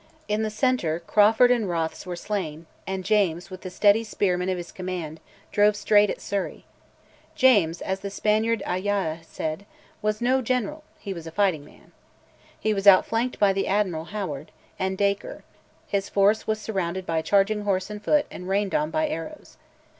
In the centre Crawford and Rothes were slain, and James, with the steady spearmen of his command, drove straight at Surrey. James, as the Spaniard Ayala said, "was no general: he was a fighting man." He was outflanked by the Admiral (Howard) and Dacre; his force was surrounded by charging horse and foot, and rained on by arrows.